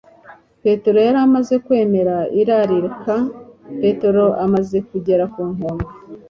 Petero yari amaze kwemera irarika. Petero amaze kugera ku nkombe,